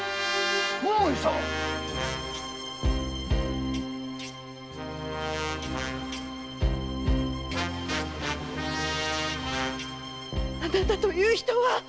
桃井様⁉〕あなたという人は！